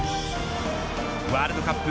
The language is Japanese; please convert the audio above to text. ワールドカップ